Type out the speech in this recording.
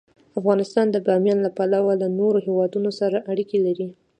افغانستان د بامیان له پلوه له نورو هېوادونو سره اړیکې لري.